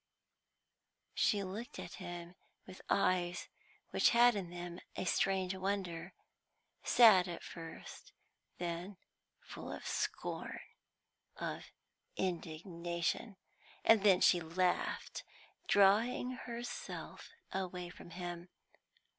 She looked at him with eyes which had in them a strange wonder, sad at first, then full of scorn, of indignation. And then she laughed, drawing herself away from him.